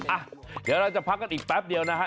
อ่ะเดี๋ยวเราจะพักกันอีกแป๊บเดียวนะฮะ